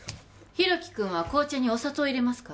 大樹くんは紅茶にお砂糖入れますか？